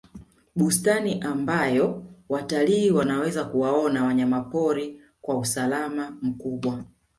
bustani ambayo watalii wanaweza kuwaona wanyamapori kwa usalama mkubwa